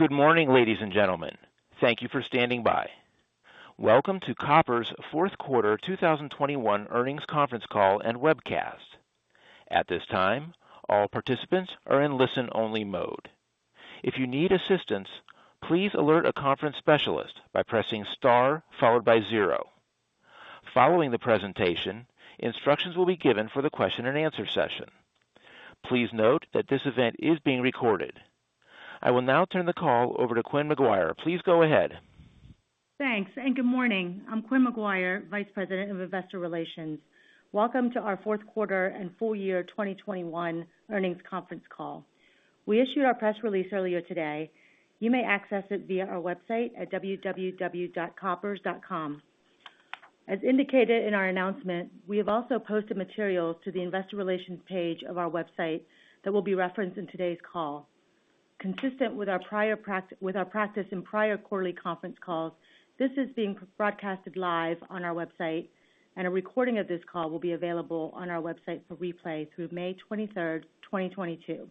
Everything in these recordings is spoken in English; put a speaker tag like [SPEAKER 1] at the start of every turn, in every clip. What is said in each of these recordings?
[SPEAKER 1] Good morning, ladies and gentlemen. Thank you for standing by. Welcome to Koppers' fourth quarter 2021 earnings conference call and webcast. At this time, all participants are in listen-only mode. If you need assistance, please alert a conference specialist by pressing star followed by zero. Following the presentation, instructions will be given for the question and answer session. Please note that this event is being recorded. I will now turn the call over to Quynh McGuire. Please go ahead.
[SPEAKER 2] Thanks, and good morning. I'm Quynh McGuire, Vice President of Investor Relations. Welcome to our fourth quarter and full year 2021 earnings conference call. We issued our press release earlier today. You may access it via our website at www.koppers.com. As indicated in our announcement, we have also posted materials to the investor relations page of our website that will be referenced in today's call. Consistent with our practice in prior quarterly conference calls, this is being broadcast live on our website, and a recording of this call will be available on our website for replay through May 23rd, 2022.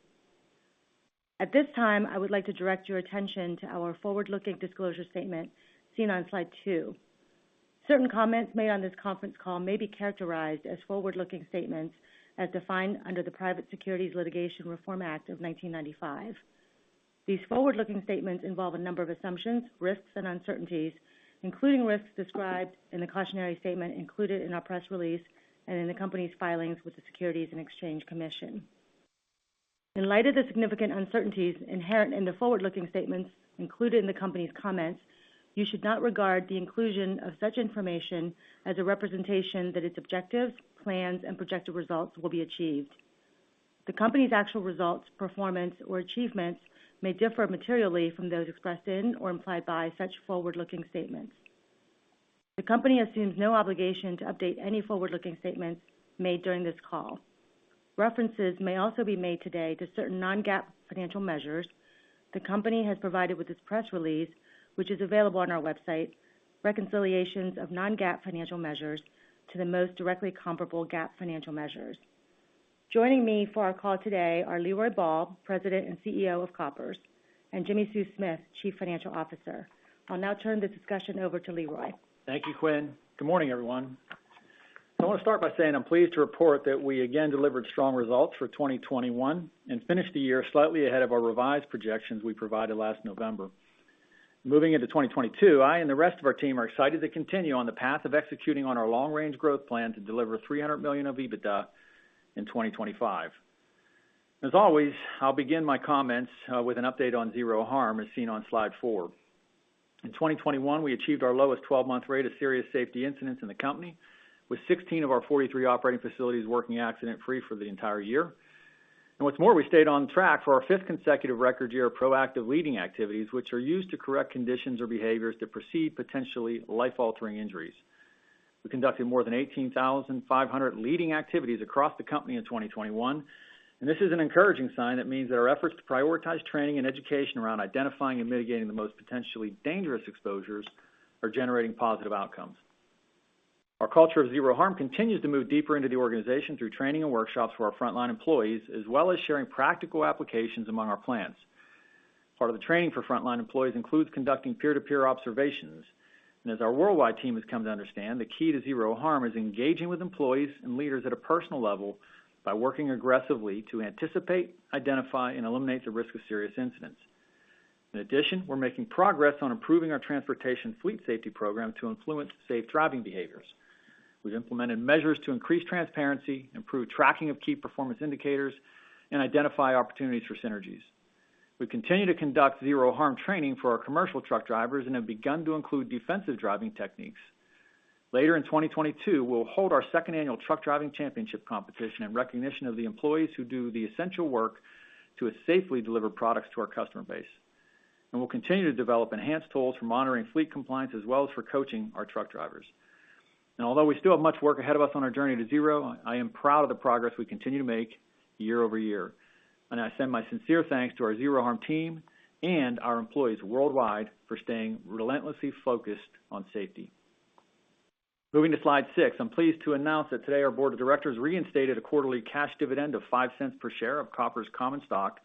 [SPEAKER 2] At this time, I would like to direct your attention to our forward-looking disclosure statement seen on slide two. Certain comments made on this conference call may be characterized as forward-looking statements as defined under the Private Securities Litigation Reform Act of 1995. These forward-looking statements involve a number of assumptions, risks, and uncertainties, including risks described in the cautionary statement included in our press release and in the company's filings with the Securities and Exchange Commission. In light of the significant uncertainties inherent in the forward-looking statements included in the company's comments, you should not regard the inclusion of such information as a representation that its objectives, plans, and projected results will be achieved. The company's actual results, performance, or achievements may differ materially from those expressed in or implied by such forward-looking statements. The company assumes no obligation to update any forward-looking statements made during this call. References may also be made today to certain non-GAAP financial measures the company has provided with its press release, which is available on our website. Reconciliations of non-GAAP financial measures to the most directly comparable GAAP financial measures. Joining me for our call today are Leroy Ball, President and CEO of Koppers, and Jimmi Sue Smith, Chief Financial Officer. I'll now turn the discussion over to Leroy.
[SPEAKER 3] Thank you, Quynh. Good morning, everyone. I wanna start by saying I'm pleased to report that we again delivered strong results for 2021 and finished the year slightly ahead of our revised projections we provided last November. Moving into 2022, I and the rest of our team are excited to continue on the path of executing on our long-range growth plan to deliver $300 million of EBITDA in 2025. As always, I'll begin my comments with an update on Zero Harm, as seen on slide four. In 2021, we achieved our lowest 12-month rate of serious safety incidents in the company, with 16 of our 43 operating facilities working accident-free for the entire year. What's more, we stayed on track for our fifth consecutive record year of proactive leading activities, which are used to correct conditions or behaviors that precede potentially life-altering injuries. We conducted more than 18,500 leading activities across the company in 2021, and this is an encouraging sign that means that our efforts to prioritize training and education around identifying and mitigating the most potentially dangerous exposures are generating positive outcomes. Our culture of Zero Harm continues to move deeper into the organization through training and workshops for our frontline employees, as well as sharing practical applications among our plants. Part of the training for frontline employees includes conducting peer-to-peer observations. As our worldwide team has come to understand, the key to Zero Harm is engaging with employees and leaders at a personal level by working aggressively to anticipate, identify, and eliminate the risk of serious incidents. In addition, we're making progress on improving our transportation fleet safety program to influence safe driving behaviors. We've implemented measures to increase transparency, improve tracking of key performance indicators, and identify opportunities for synergies. We continue to conduct Zero Harm training for our commercial truck drivers and have begun to include defensive driving techniques. Later in 2022, we'll hold our second annual truck driving championship competition in recognition of the employees who do the essential work to safely deliver products to our customer base. We'll continue to develop enhanced tools for monitoring fleet compliance as well as for coaching our truck drivers. Now, although we still have much work ahead of us on our journey to Zero, I am proud of the progress we continue to make year-over-year. I send my sincere thanks to our Zero Harm team and our employees worldwide for staying relentlessly focused on safety. Moving to slide six, I'm pleased to announce that today our board of directors reinstated a quarterly cash dividend of $0.05 per share of Koppers common stock,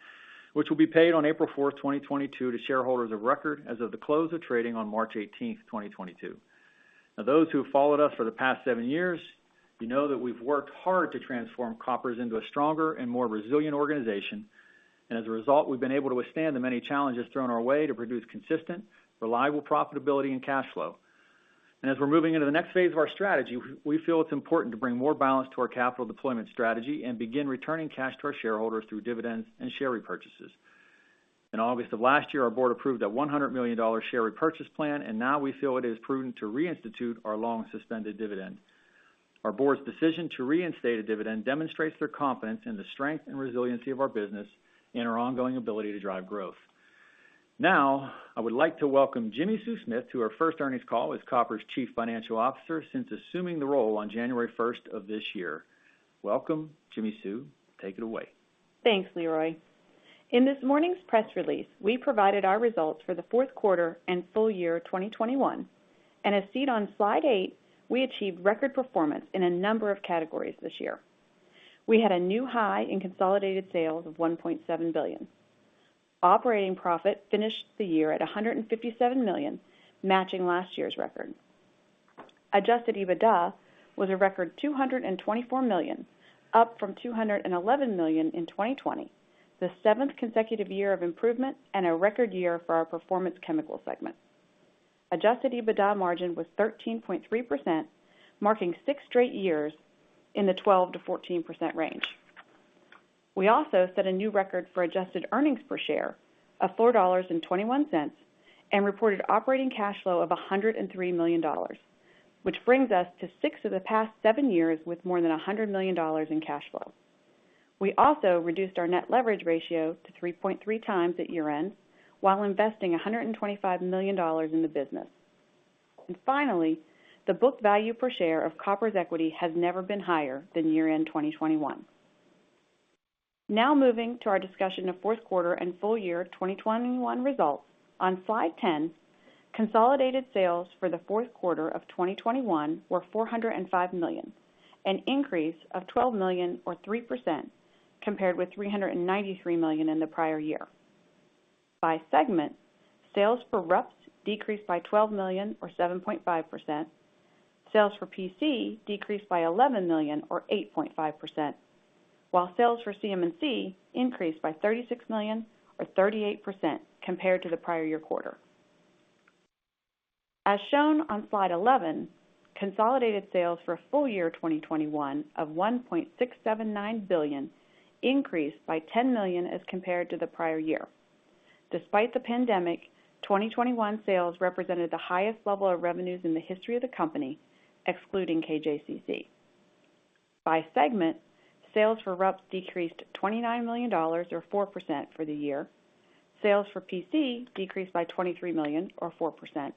[SPEAKER 3] which will be paid on April 4th, 2022 to shareholders of record as of the close of trading on March 18th, 2022. Now those who have followed us for the past seven years, you know that we've worked hard to transform Koppers into a stronger and more resilient organization. As a result, we've been able to withstand the many challenges thrown our way to produce consistent, reliable profitability and cash flow. As we're moving into the next phase of our strategy, we feel it's important to bring more balance to our capital deployment strategy and begin returning cash to our shareholders through dividends and share repurchases. In August of last year, our board approved a $100 million share repurchase plan, and now we feel it is prudent to reinstitute our long-suspended dividend. Our board's decision to reinstate a dividend demonstrates their confidence in the strength and resiliency of our business and our ongoing ability to drive growth. Now, I would like to welcome Jimmi Sue Smith to our first earnings call as Koppers' Chief Financial Officer since assuming the role on January first of this year. Welcome, Jimmi Sue. Take it away.
[SPEAKER 4] Thanks, Leroy. In this morning's press release, we provided our results for the fourth quarter and full year 2021. As seen on slide eight, we achieved record performance in a number of categories this year. We had a new high in consolidated sales of $1.7 billion. Operating profit finished the year at $157 million, matching last year's record. Adjusted EBITDA was a record $224 million, up from $211 million in 2020, the seventh consecutive year of improvement and a record year for our Performance Chemicals segment. Adjusted EBITDA margin was 13.3%, marking six straight years in the 12%-14% range. We also set a new record for adjusted earnings per share of $4.21, and reported operating cash flow of $103 million, which brings us to six of the past seven years with more than $100 million in cash flow. We also reduced our net leverage ratio to 3.3 times at year-end while investing $125 million in the business. Finally, the book value per share of Koppers' equity has never been higher than year-end 2021. Now moving to our discussion of fourth quarter and full year 2021 results. On Slide 10, consolidated sales for the fourth quarter of 2021 were $405 million, an increase of $12 million or 3% compared with $393 million in the prior year. By segment, sales for RUPS decreased by $12 million or 7.5%. Sales for PC decreased by $11 million or 8.5%, while sales for CM&C increased by $36 million or 38% compared to the prior year quarter. As shown on Slide 11, consolidated sales for full year 2021 of $1.679 billion increased by $10 million as compared to the prior year. Despite the pandemic, 2021 sales represented the highest level of revenues in the history of the company, excluding KJCC. By segment, sales for RUPS decreased $29 million or 4% for the year. Sales for PC decreased by $23 million or 4%,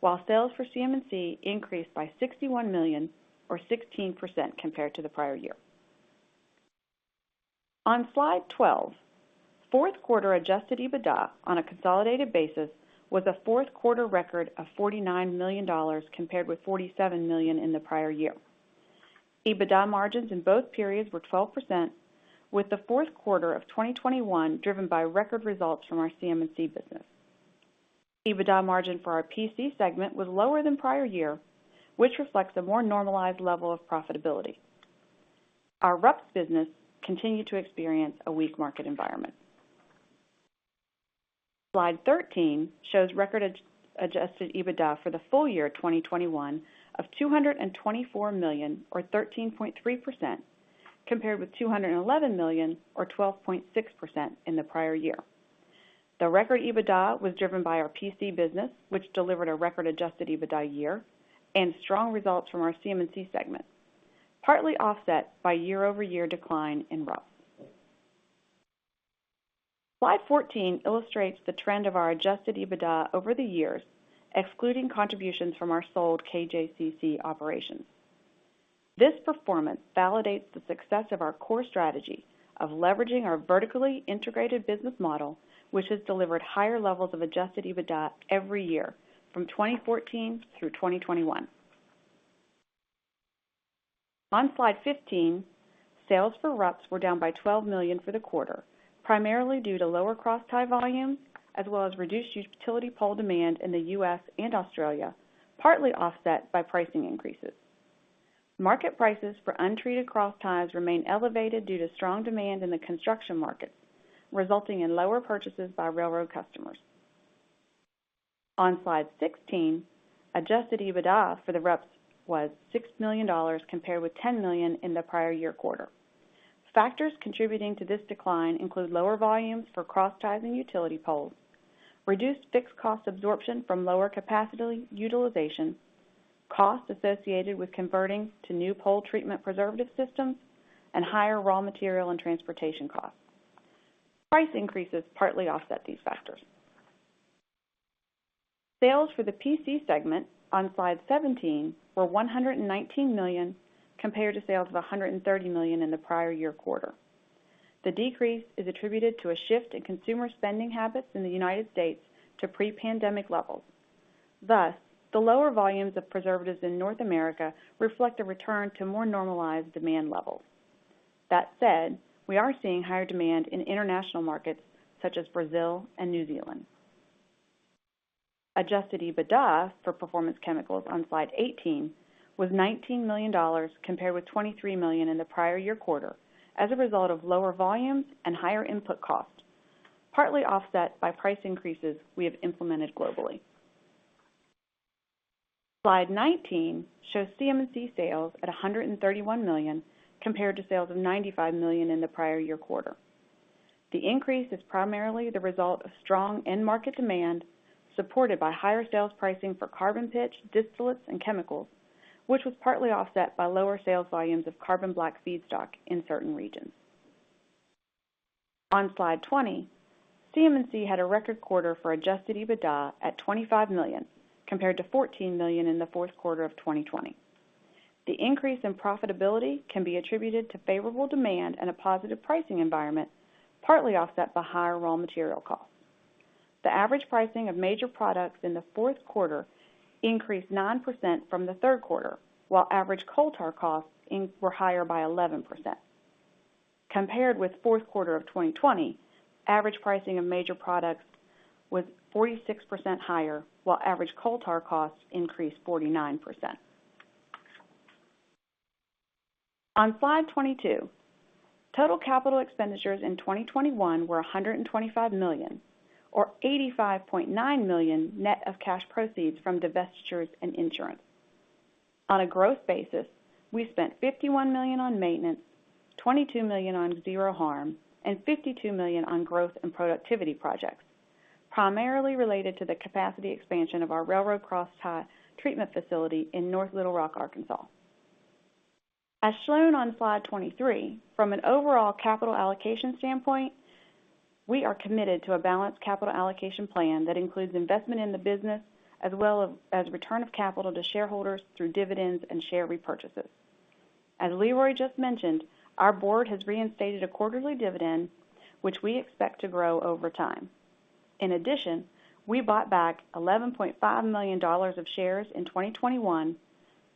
[SPEAKER 4] while sales for CM&C increased by $61 million or 16% compared to the prior year. On Slide 12, fourth quarter adjusted EBITDA on a consolidated basis was a fourth quarter record of $49 million compared with $47 million in the prior year. EBITDA margins in both periods were 12%, with the fourth quarter of 2021 driven by record results from our CM&C business. EBITDA margin for our PC segment was lower than prior year, which reflects a more normalized level of profitability. Our RUPS business continued to experience a weak market environment. Slide 13 shows record adjusted EBITDA for the full year 2021 of $224 million or 13.3%, compared with $211 million or 12.6% in the prior year. The record EBITDA was driven by our PC business, which delivered a record adjusted EBITDA year and strong results from our CM&C segment, partly offset by year-over-year decline in RUPS. Slide 14 illustrates the trend of our adjusted EBITDA over the years, excluding contributions from our sold KJCC operations. This performance validates the success of our core strategy of leveraging our vertically integrated business model, which has delivered higher levels of adjusted EBITDA every year from 2014 through 2021. On Slide 15, sales for RUPS were down by $12 million for the quarter, primarily due to lower cross tie volumes as well as reduced utility pole demand in the U.S. and Australia, partly offset by pricing increases. Market prices for untreated cross ties remain elevated due to strong demand in the construction market, resulting in lower purchases by railroad customers. On Slide 16, adjusted EBITDA for the RUPS was $6 million compared with $10 million in the prior year quarter. Factors contributing to this decline include lower volumes for cross ties and utility poles, reduced fixed cost absorption from lower capacity utilization, costs associated with converting to new pole treatment preservative systems, and higher raw material and transportation costs. Price increases partly offset these factors. Sales for the PC segment on Slide 17 were $119 million, compared to sales of $130 million in the prior year quarter. The decrease is attributed to a shift in consumer spending habits in the United States to pre-pandemic levels. Thus, the lower volumes of preservatives in North America reflect a return to more normalized demand levels. That said, we are seeing higher demand in international markets such as Brazil and New Zealand. Adjusted EBITDA for Performance Chemicals on Slide 18 was $19 million compared with $23 million in the prior year quarter as a result of lower volumes and higher input costs, partly offset by price increases we have implemented globally. Slide 19 shows CM&C sales at $131 million compared to sales of $95 million in the prior year quarter. The increase is primarily the result of strong end market demand, supported by higher sales pricing for Carbon Pitch, distillates, and chemicals, which was partly offset by lower sales volumes of carbon black feedstock in certain regions. On Slide 20, CM&C had a record quarter for adjusted EBITDA at $25 million, compared to $14 million in the fourth quarter of 2020. The increase in profitability can be attributed to favorable demand and a positive pricing environment, partly offset by higher raw material costs. The average pricing of major products in the fourth quarter increased 9% from the third quarter, while average coal tar costs were higher by 11%. Compared with fourth quarter of 2020, average pricing of major products was 46% higher, while average coal tar costs increased 49%. On slide 22, total capital expenditures in 2021 were $125 million, or $85.9 million net of cash proceeds from divestitures and insurance. On a growth basis, we spent $51 million on maintenance, $22 million on Zero Harm, and $52 million on growth and productivity projects, primarily related to the capacity expansion of our railroad crosstie treatment facility in North Little Rock, Arkansas. As shown on slide 23, from an overall capital allocation standpoint, we are committed to a balanced capital allocation plan that includes investment in the business as well as return of capital to shareholders through dividends and share repurchases. Leroy just mentioned, our board has reinstated a quarterly dividend, which we expect to grow over time. In addition, we bought back $11.5 million of shares in 2021,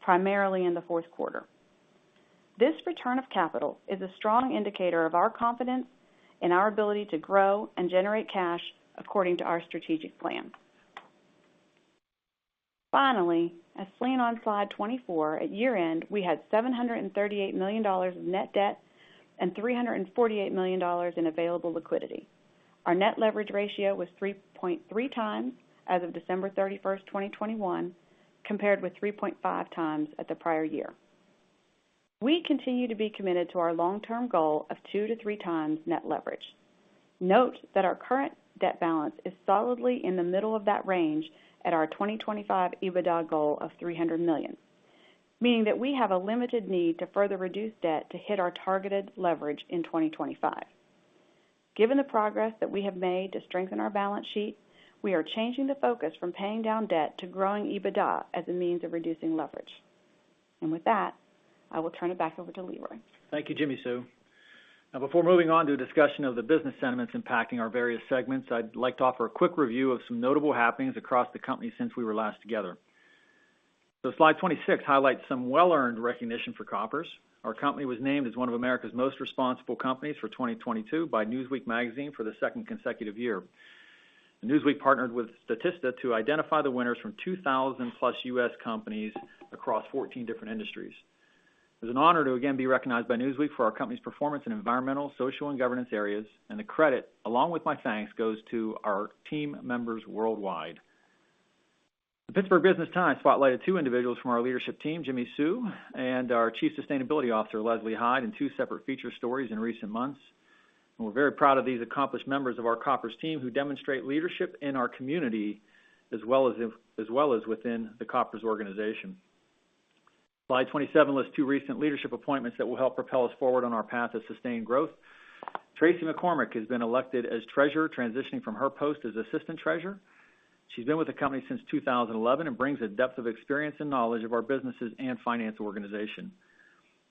[SPEAKER 4] primarily in the fourth quarter. This return of capital is a strong indicator of our confidence in our ability to grow and generate cash according to our strategic plan. Finally, as seen on slide 24, at year-end, we had $738 million of net debt and $348 million in available liquidity. Our net leverage ratio was 3.3 times as of December 31st, 2021, compared with 3.5 times at the prior year. We continue to be committed to our long-term goal of two to three times net leverage. Note that our current debt balance is solidly in the middle of that range at our 2025 EBITDA goal of $300 million, meaning that we have a limited need to further reduce debt to hit our targeted leverage in 2025. Given the progress that we have made to strengthen our balance sheet, we are changing the focus from paying down debt to growing EBITDA as a means of reducing leverage. With that, I will turn it back over to Leroy.
[SPEAKER 3] Thank you, Jimmi Sue. Now before moving on to a discussion of the business sentiments impacting our various segments, I'd like to offer a quick review of some notable happenings across the company since we were last together. Slide 26 highlights some well-earned recognition for Koppers. Our company was named as one of America's most responsible companies for 2022 by Newsweek Magazine for the second consecutive year. Newsweek partnered with Statista to identify the winners from 2,000+ U.S. companies across 14 different industries. It was an honor to again be recognized by Newsweek for our company's performance in environmental, social, and governance areas, and the credit, along with my thanks, goes to our team members worldwide. The Pittsburgh Business Times spotlighted two individuals from our leadership team, Jimmi Sue and our Chief Sustainability Officer, Leslie Hyde, in two separate feature stories in recent months. We're very proud of these accomplished members of our Koppers team who demonstrate leadership in our community as well as within the Koppers organization. Slide 27 lists two recent leadership appointments that will help propel us forward on our path to sustained growth. Tracy McCormick has been elected as Treasurer, transitioning from her post as Assistant Treasurer. She's been with the company since 2011 and brings a depth of experience and knowledge of our businesses and finance organization.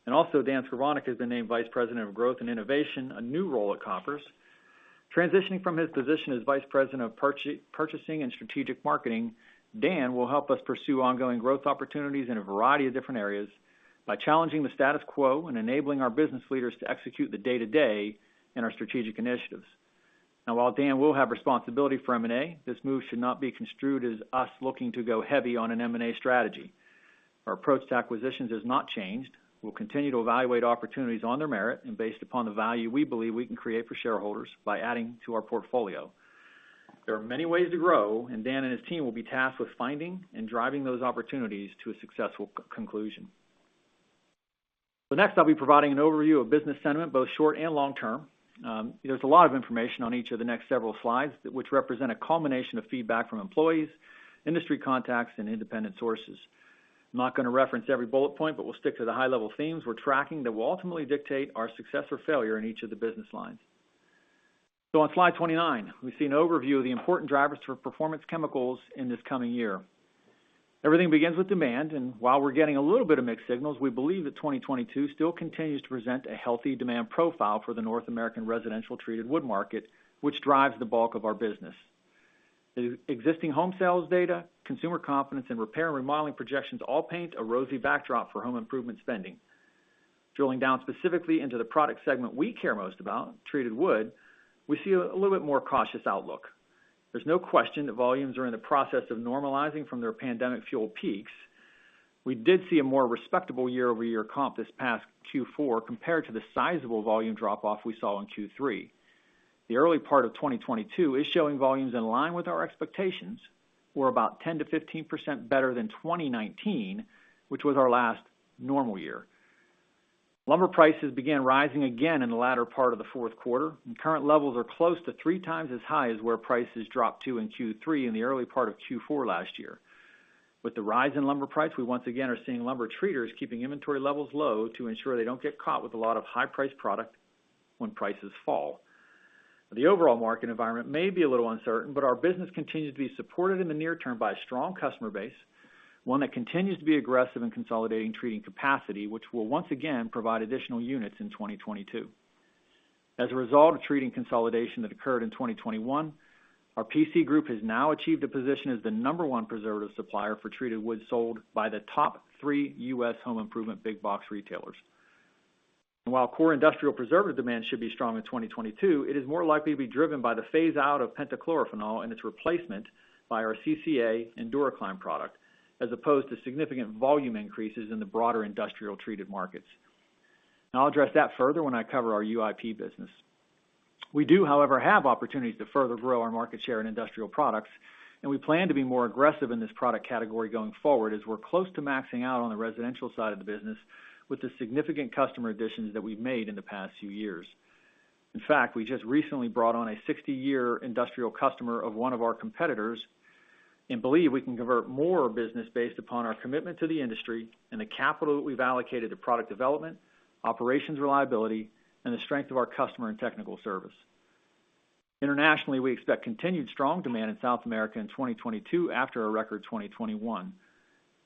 [SPEAKER 3] Dan Skrovanek has been named Vice President of Growth and Innovation, a new role at Koppers. Transitioning from his position as Vice President of Purchasing and Strategic Marketing, Dan Skrovanek will help us pursue ongoing growth opportunities in a variety of different areas by challenging the status quo and enabling our business leaders to execute the day-to-day in our strategic initiatives. Now while Dan will have responsibility for M&A, this move should not be construed as us looking to go heavy on an M&A strategy. Our approach to acquisitions has not changed. We'll continue to evaluate opportunities on their merit and based upon the value we believe we can create for shareholders by adding to our portfolio. There are many ways to grow, and Dan and his team will be tasked with finding and driving those opportunities to a successful conclusion. Next, I'll be providing an overview of business sentiment, both short and long term. There's a lot of information on each of the next several slides, which represent a culmination of feedback from employees, industry contacts, and independent sources. I'm not gonna reference every bullet point, but we'll stick to the high level themes we're tracking that will ultimately dictate our success or failure in each of the business lines. On slide 29, we see an overview of the important drivers for Performance Chemicals in this coming year. Everything begins with demand, and while we're getting a little bit of mixed signals, we believe that 2022 still continues to present a healthy demand profile for the North American residential treated wood market, which drives the bulk of our business. The existing home sales data, consumer confidence, and repair and remodeling projections all paint a rosy backdrop for home improvement spending. Drilling down specifically into the product segment we care most about, treated wood, we see a little bit more cautious outlook. There's no question that volumes are in the process of normalizing from their pandemic fuel peaks. We did see a more respectable year-over-year comp this past Q4 compared to the sizable volume drop-off we saw in Q3. The early part of 2022 is showing volumes in line with our expectations. We're about 10%-15% better than 2019, which was our last normal year. Lumber prices began rising again in the latter part of the fourth quarter, and current levels are close to three times as high as where prices dropped to in Q3 in the early part of Q4 last year. With the rise in lumber price, we once again are seeing lumber treaters keeping inventory levels low to ensure they don't get caught with a lot of high-priced product when prices fall. The overall market environment may be a little uncertain, but our business continues to be supported in the near term by a strong customer base. One that continues to be aggressive in consolidating treating capacity, which will once again provide additional units in 2022. As a result of treating consolidation that occurred in 2021, our PC group has now achieved a position as the number one preservative supplier for treated wood sold by the top three U.S. home improvement big box retailers. While core industrial preservative demand should be strong in 2022, it is more likely to be driven by the phase-out of pentachlorophenol and its replacement by our CCA DuraClimb product, as opposed to significant volume increases in the broader industrial treated markets. Now I'll address that further when I cover our UIP business. We do, however, have opportunities to further grow our market share in industrial products, and we plan to be more aggressive in this product category going forward as we're close to maxing out on the residential side of the business with the significant customer additions that we've made in the past few years. In fact, we just recently brought on a 60-year industrial customer of one of our competitors, and believe we can convert more business based upon our commitment to the industry and the capital that we've allocated to product development, operations reliability, and the strength of our customer and technical service. Internationally, we expect continued strong demand in South America in 2022 after a record 2021.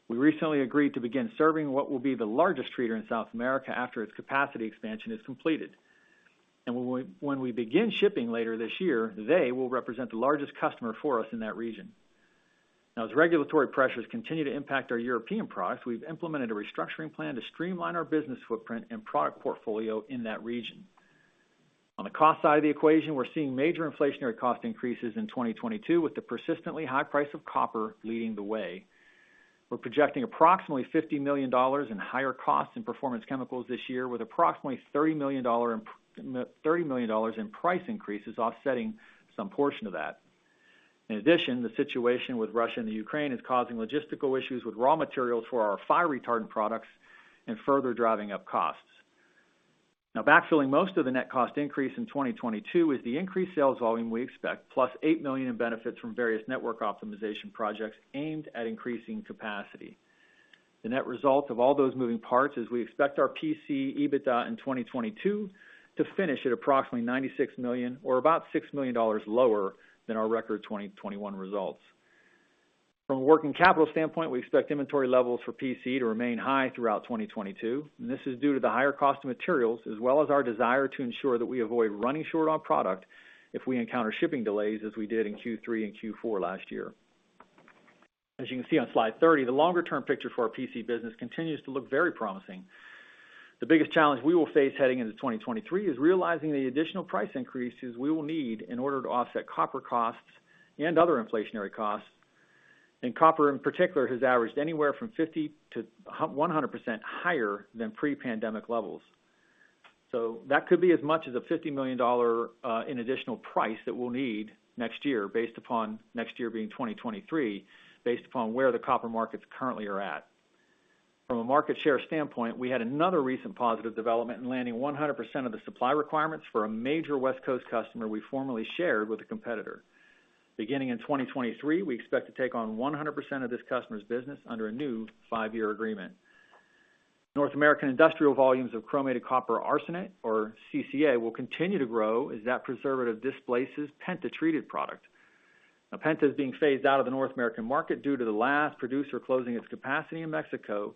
[SPEAKER 3] We recently agreed to begin serving what will be the largest treater in South America after its capacity expansion is completed. When we begin shipping later this year, they will represent the largest customer for us in that region. Now as regulatory pressures continue to impact our European products, we've implemented a restructuring plan to streamline our business footprint and product portfolio in that region. On the cost side of the equation, we're seeing major inflationary cost increases in 2022 with the persistently high price of copper leading the way. We're projecting approximately $50 million in higher costs in Performance Chemicals this year, with approximately $30 million in price increases offsetting some portion of that. In addition, the situation with Russia and the Ukraine is causing logistical issues with raw materials for our fire retardant products and further driving up costs. Now backfilling most of the net cost increase in 2022 is the increased sales volume we expect, plus $8 million in benefits from various network optimization projects aimed at increasing capacity. The net result of all those moving parts is we expect our PC EBITDA in 2022 to finish at approximately $96 million or about $6 million lower than our record 2021 results. From a working capital standpoint, we expect inventory levels for PC to remain high throughout 2022, and this is due to the higher cost of materials as well as our desire to ensure that we avoid running short on product if we encounter shipping delays as we did in Q3 and Q4 last year. As you can see on slide 30, the longer-term picture for our PC business continues to look very promising. The biggest challenge we will face heading into 2023 is realizing the additional price increases we will need in order to offset copper costs and other inflationary costs. Copper in particular has averaged anywhere from 50%-100% higher than pre-pandemic levels. That could be as much as a $50 million in additional price that we'll need next year based upon, next year being 2023, based upon where the copper markets currently are at. From a market share standpoint, we had another recent positive development in landing 100% of the supply requirements for a major West Coast customer we formerly shared with a competitor. Beginning in 2023, we expect to take on 100% of this customer's business under a new five-year agreement. North American industrial volumes of chromated copper arsenate, or CCA, will continue to grow as that preservative displaces penta-treated product. Penta is being phased out of the North American market due to the last producer closing its capacity in Mexico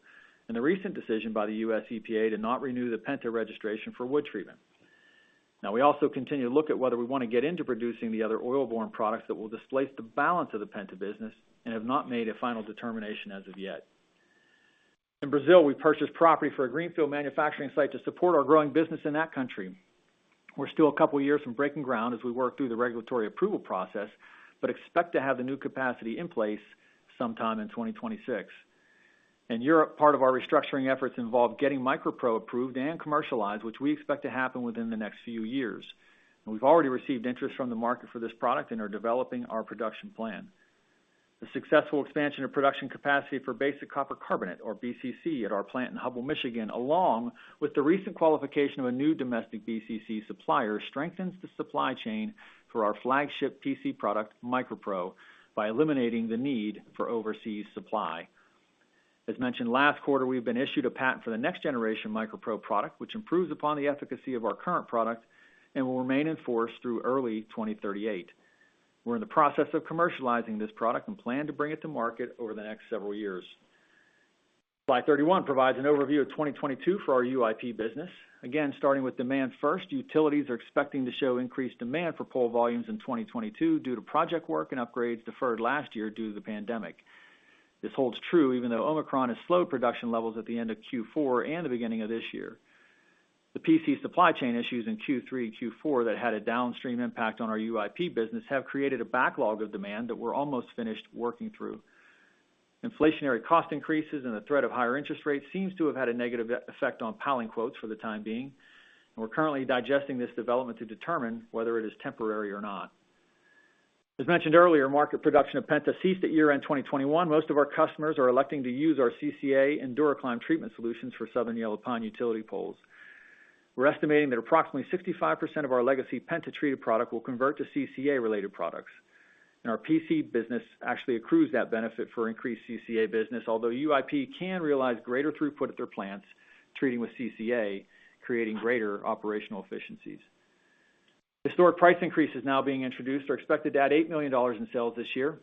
[SPEAKER 3] and the recent decision by the U.S. EPA to not renew the penta registration for wood treatment. We also continue to look at whether we wanna get into producing the other oil-borne products that will displace the balance of the penta business and have not made a final determination as of yet. In Brazil, we purchased property for a greenfield manufacturing site to support our growing business in that country. We're still a couple years from breaking ground as we work through the regulatory approval process, but expect to have the new capacity in place sometime in 2026. In Europe, part of our restructuring efforts involve getting MicroPro approved and commercialized, which we expect to happen within the next few years. We've already received interest from the market for this product and are developing our production plan. The successful expansion of production capacity for basic copper carbonate, or BCC, at our plant in Hubbell, Michigan, along with the recent qualification of a new domestic BCC supplier, strengthens the supply chain for our flagship PC product, MicroPro, by eliminating the need for overseas supply. As mentioned last quarter, we've been issued a patent for the next generation MicroPro product, which improves upon the efficacy of our current product and will remain in force through early 2038. We're in the process of commercializing this product and plan to bring it to market over the next several years. Slide 31 provides an overview of 2022 for our UIP business. Again, starting with demand first, utilities are expecting to show increased demand for pole volumes in 2022 due to project work and upgrades deferred last year due to the pandemic. This holds true even though Omicron has slowed production levels at the end of Q4 and the beginning of this year. The PC supply chain issues in Q3, Q4 that had a downstream impact on our UIP business have created a backlog of demand that we're almost finished working through. Inflationary cost increases and the threat of higher interest rates seems to have had a negative effect on piling quotes for the time being, and we're currently digesting this development to determine whether it is temporary or not. As mentioned earlier, market production of penta ceased at year-end 2021. Most of our customers are electing to use our CCA DuraClimb treatment solutions for Southern Yellow Pine utility poles. We're estimating that approximately 65% of our legacy penta-treated product will convert to CCA-related products. Our PC business actually accrues that benefit for increased CCA business, although UIP can realize greater throughput at their plants treating with CCA, creating greater operational efficiencies. Historical price increases now being introduced are expected to add $8 million in sales this year.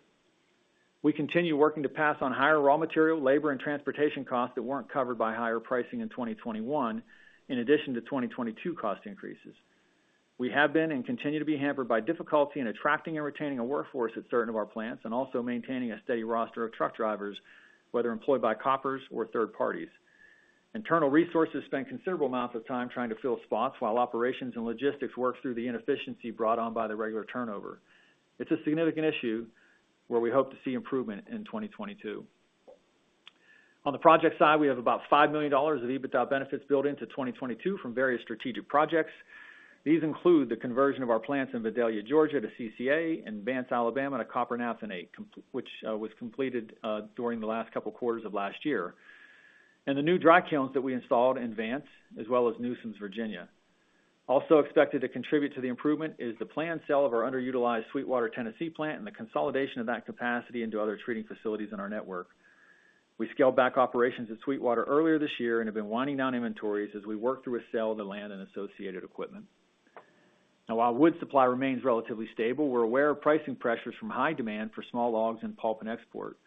[SPEAKER 3] We continue working to pass on higher raw material, labor, and transportation costs that weren't covered by higher pricing in 2021, in addition to 2022 cost increases. We have been and continue to be hampered by difficulty in attracting and retaining a workforce at certain of our plants and also maintaining a steady roster of truck drivers, whether employed by Koppers or third parties. Internal resources spend considerable amounts of time trying to fill spots while operations and logistics work through the inefficiency brought on by the regular turnover. It's a significant issue where we hope to see improvement in 2022. On the project side, we have about $5 million of EBITDA benefits built into 2022 from various strategic projects. These include the conversion of our plants in Vidalia, Georgia, to CCA, in Vance, Alabama, to copper naphthenate, which was completed during the last couple quarters of last year. The new dry kilns that we installed in Vance, as well as Newsoms, Virginia. Also expected to contribute to the improvement is the planned sale of our underutilized Sweetwater, Tennessee, plant and the consolidation of that capacity into other treating facilities in our network. We scaled back operations at Sweetwater earlier this year and have been winding down inventories as we work through a sale of the land and associated equipment. Now while wood supply remains relatively stable, we're aware of pricing pressures from high demand for small logs in pulp and export.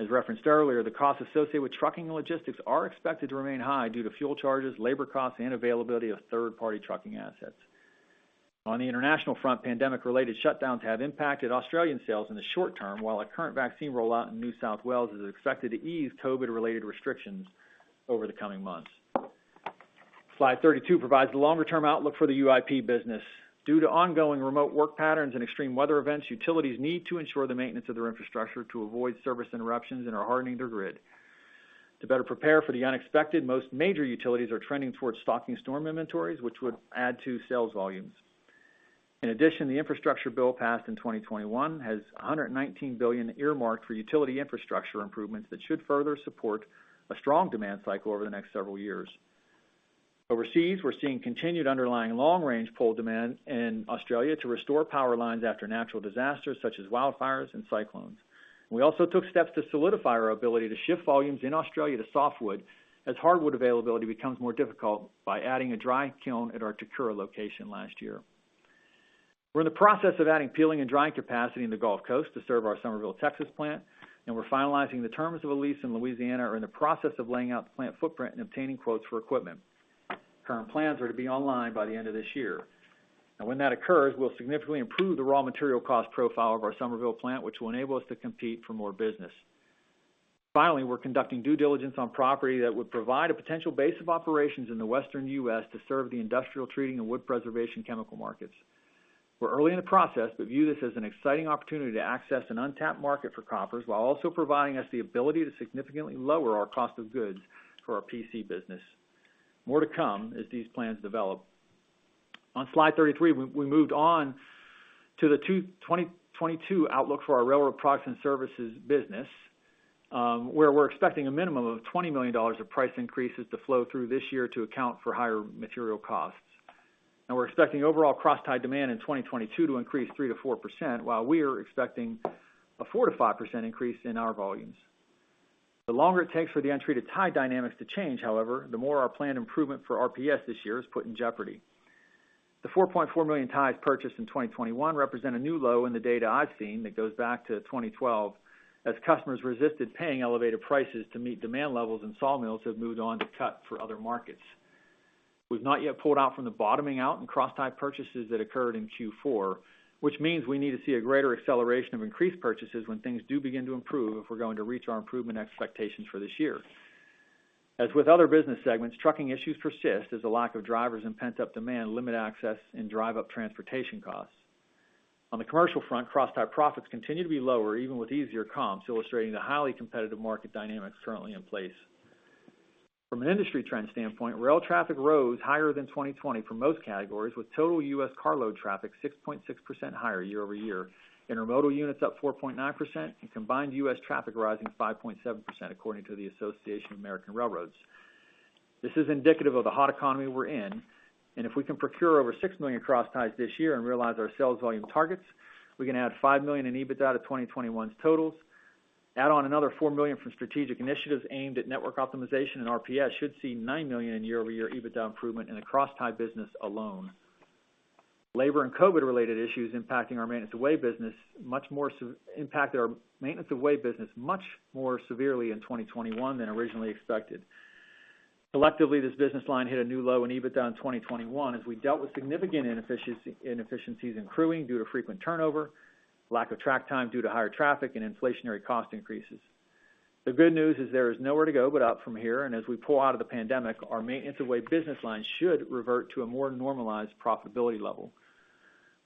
[SPEAKER 3] As referenced earlier, the costs associated with trucking and logistics are expected to remain high due to fuel charges, labor costs, and availability of third-party trucking assets. On the international front, pandemic related shutdowns have impacted Australian sales in the short term, while a current vaccine rollout in New South Wales is expected to ease COVID related restrictions over the coming months. Slide 32 provides the longer-term outlook for the UIP business. Due to ongoing remote work patterns and extreme weather events, utilities need to ensure the maintenance of their infrastructure to avoid service interruptions and are hardening their grid. To better prepare for the unexpected, most major utilities are trending towards stocking storm inventories, which would add to sales volumes. In addition, the infrastructure bill passed in 2021 has $119 billion earmarked for utility infrastructure improvements that should further support a strong demand cycle over the next several years. Overseas, we're seeing continued underlying long-range pole demand in Australia to restore power lines after natural disasters such as wildfires and cyclones. We also took steps to solidify our ability to shift volumes in Australia to softwood as hardwood availability becomes more difficult by adding a dry kiln at our Chikura location last year. We're in the process of adding peeling and drying capacity in the Gulf Coast to serve our Somerville, Texas, plant, and we're finalizing the terms of a lease in Louisiana and are in the process of laying out the plant footprint and obtaining quotes for equipment. Current plans are to be online by the end of this year. Now when that occurs, we'll significantly improve the raw material cost profile of our Somerville plant, which will enable us to compete for more business. Finally, we're conducting due diligence on property that would provide a potential base of operations in the Western U.S. to serve the industrial treating and wood preservation chemical markets. We're early in the process, but view this as an exciting opportunity to access an untapped market for Koppers, while also providing us the ability to significantly lower our cost of goods for our PC business. More to come as these plans develop. On slide 33, we moved on to the 2022 outlook for our railroad products and services business, where we're expecting a minimum of $20 million of price increases to flow through this year to account for higher material costs. Now we're expecting overall crosstie demand in 2022 to increase 3%-4%, while we are expecting a 4%-5% increase in our volumes. The longer it takes for the untreated tie dynamics to change, however, the more our planned improvement for RPS this year is put in jeopardy. The 4.4 million ties purchased in 2021 represent a new low in the data I've seen that goes back to 2012, as customers resisted paying elevated prices to meet demand levels, and sawmills have moved on to cut for other markets. We've not yet pulled out from the bottoming out in crosstie purchases that occurred in Q4, which means we need to see a greater acceleration of increased purchases when things do begin to improve if we're going to reach our improvement expectations for this year. As with other business segments, trucking issues persist as a lack of drivers and pent-up demand limit access and drive up transportation costs. On the commercial front, crosstie profits continue to be lower, even with easier comps, illustrating the highly competitive market dynamics currently in place. From an industry trend standpoint, rail traffic rose higher than 2020 for most categories, with total U.S. carload traffic 6.6% higher year-over-year, intermodal units up 4.9%, and combined U.S. traffic rising 5.7% according to the Association of American Railroads. This is indicative of the hot economy we're in, and if we can procure over 6 million crossties this year and realize our sales volume targets, we can add $5 million in EBITDA to 2021's totals. Add on another $4 million from strategic initiatives aimed at network optimization, and RUPS should see $9 million in year-over-year EBITDA improvement in the crosstie business alone. Labor and COVID related issues impact our maintenance of way business much more severely in 2021 than originally expected. Collectively, this business line hit a new low in EBITDA in 2021 as we dealt with significant inefficiencies in crewing due to frequent turnover, lack of track time due to higher traffic, and inflationary cost increases. The good news is there is nowhere to go but up from here, and as we pull out of the pandemic, our maintenance of way business line should revert to a more normalized profitability level.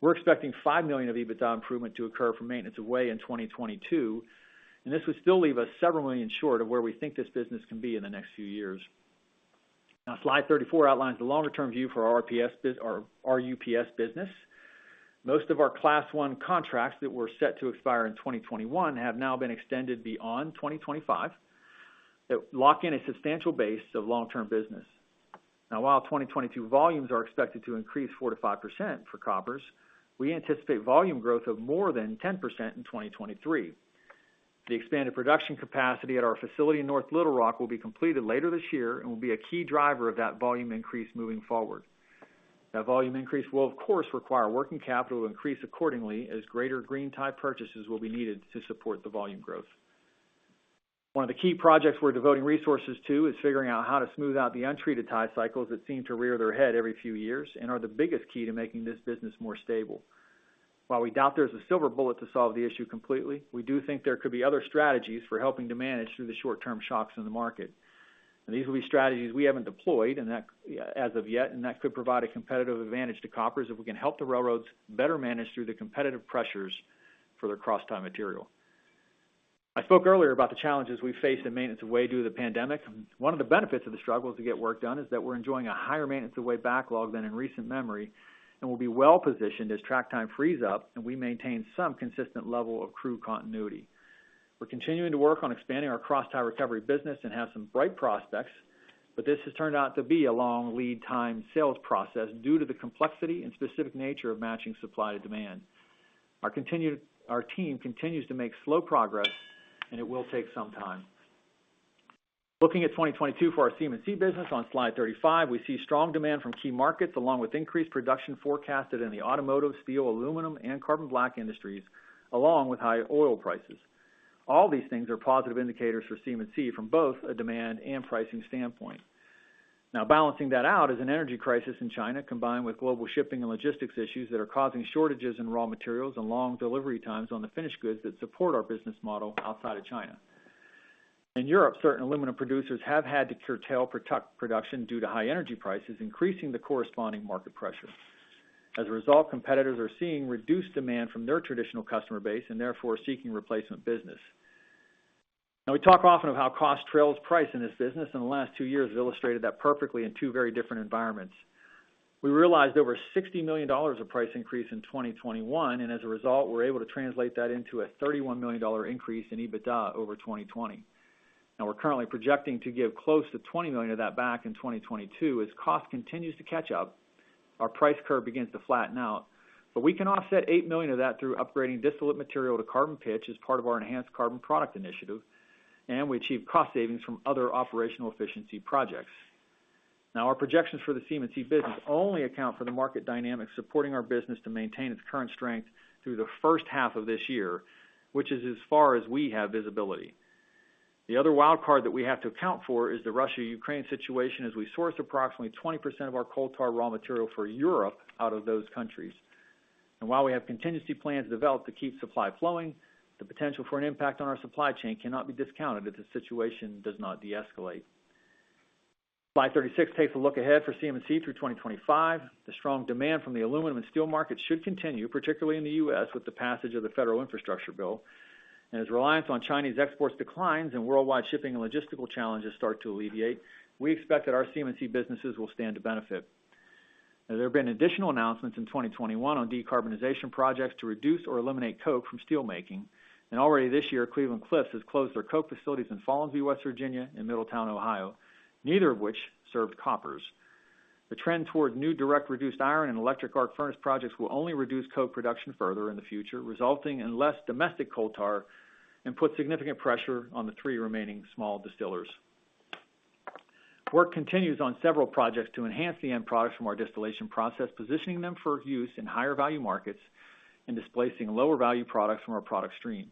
[SPEAKER 3] We're expecting $5 million of EBITDA improvement to occur for maintenance of way in 2022, and this would still leave us several million short of where we think this business can be in the next few years. Now slide 34 outlines the longer term view for our RUPS business. Most of our Class I contracts that were set to expire in 2021 have now been extended beyond 2025 that lock in a substantial base of long-term business. Now while 2022 volumes are expected to increase 4%-5% for Koppers, we anticipate volume growth of more than 10% in 2023. The expanded production capacity at our facility in North Little Rock will be completed later this year and will be a key driver of that volume increase moving forward. That volume increase will, of course, require working capital to increase accordingly as greater green tie purchases will be needed to support the volume growth. One of the key projects we're devoting resources to is figuring out how to smooth out the untreated tie cycles that seem to rear their head every few years and are the biggest key to making this business more stable. While we doubt there's a silver bullet to solve the issue completely, we do think there could be other strategies for helping to manage through the short-term shocks in the market. These will be strategies we haven't deployed and that as of yet that could provide a competitive advantage to Koppers if we can help the railroads better manage through the competitive pressures for their crosstie material. I spoke earlier about the challenges we face in maintenance of way due to the pandemic. One of the benefits of the struggle to get work done is that we're enjoying a higher maintenance of way backlog than in recent memory, and we'll be well-positioned as track time frees up, and we maintain some consistent level of crew continuity. We're continuing to work on expanding our crosstie recovery business and have some bright prospects, but this has turned out to be a long lead time sales process due to the complexity and specific nature of matching supply to demand. Our team continues to make slow progress, and it will take some time. Looking at 2022 for our CM&C business on slide 35, we see strong demand from key markets along with increased production forecasted in the automotive, steel, aluminum, and carbon black industries, along with high oil prices. All these things are positive indicators for CM&C from both a demand and pricing standpoint. Now balancing that out is an energy crisis in China, combined with global shipping and logistics issues that are causing shortages in raw materials and long delivery times on the finished goods that support our business model outside of China. In Europe, certain aluminum producers have had to curtail production due to high energy prices, increasing the corresponding market pressure. As a result, competitors are seeing reduced demand from their traditional customer base and therefore seeking replacement business. Now we talk often of how cost trails price in this business, and the last two years illustrated that perfectly in two very different environments. We realized over $60 million of price increase in 2021, and as a result, we're able to translate that into a $31 million increase in EBITDA over 2020. Now we're currently projecting to give close to $20 million of that back in 2022 as cost continues to catch up. Our price curve begins to flatten out, but we can offset $8 million of that through upgrading distillate material to Carbon Pitch as part of our Enhanced Carbon Product initiative, and we achieve cost savings from other operational efficiency projects. Now our projections for the CM&C business only account for the market dynamics supporting our business to maintain its current strength through the first half of this year, which is as far as we have visibility. The other wild card that we have to account for is the Russia-Ukraine situation as we source approximately 20% of our coal tar raw material for Europe out of those countries. While we have contingency plans developed to keep supply flowing, the potential for an impact on our supply chain cannot be discounted if the situation does not deescalate. Slide 36 takes a look ahead for CM&C through 2025. The strong demand from the aluminum and steel markets should continue, particularly in the U.S., with the passage of the Federal Infrastructure Bill. As reliance on Chinese exports declines and worldwide shipping and logistical challenges start to alleviate, we expect that our CM&C businesses will stand to benefit. Now there have been additional announcements in 2021 on decarbonization projects to reduce or eliminate coke from steelmaking. Already this year, Cleveland-Cliffs has closed their coke facilities in Follansbee, West Virginia, and Middletown, Ohio, neither of which served Koppers. The trend toward new direct reduced iron and electric arc furnace projects will only reduce coke production further in the future, resulting in less domestic coal tar and put significant pressure on the three remaining small distillers. Work continues on several projects to enhance the end products from our distillation process, positioning them for use in higher value markets and displacing lower value products from our product stream.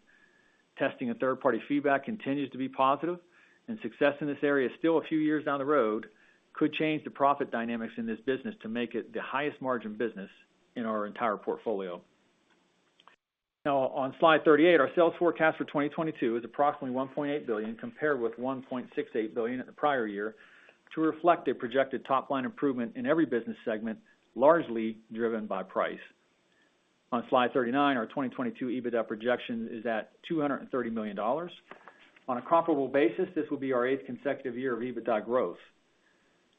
[SPEAKER 3] Testing and third-party feedback continues to be positive, and success in this area, still a few years down the road, could change the profit dynamics in this business to make it the highest margin business in our entire portfolio. Now on slide 38, our sales forecast for 2022 is approximately $1.8 billion, compared with $1.68 billion in the prior year, to reflect a projected top-line improvement in every business segment, largely driven by price. On slide 39, our 2022 EBITDA projection is at $230 million. On a comparable basis, this will be our eighth consecutive year of EBITDA growth.